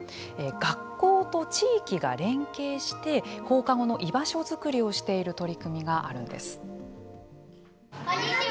学校と地域が連携して放課後の居場所づくりをしている取り組みがあるんです。